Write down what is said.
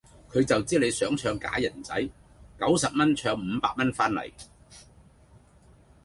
佢就知你想唱假人仔，九十蚊唱五百蚊番嚟